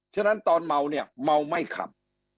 ฉะนั้นตอนเมาเมาไม่ขับ